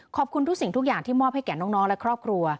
ขอบคุณทุกสิ่งทุกอย่างที่มอบให้แก่น้องและครอบครัว